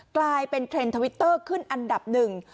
กลายเป็นเทรนด์ทวิตเตอร์ขึ้นอันดับหนึ่ง